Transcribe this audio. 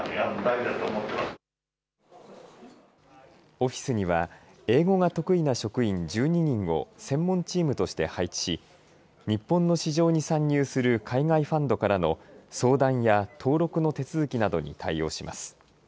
オフィスには英語が得意な職員１２人を専門チームとして配置し日本の市場に参入する海外ファンドからの相談や登録の手続きなどに対応します。